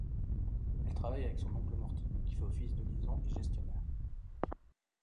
Elle travaille avec son oncle Morty, qui fait office de liaison et gestionnaire.